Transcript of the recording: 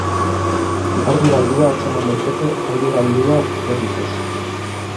Ardi galdua atzeman daiteke, aldi galdua berriz ez.